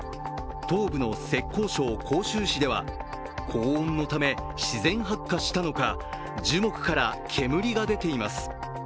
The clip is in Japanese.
東部の浙江省杭州市では高温のため自然発火したのか樹木から煙が出ています。